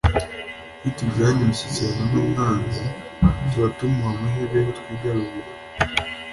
Iyo tugirana imishyikirano n'umwanzi, tuba tumuha amahirwe yo kutwigarurira.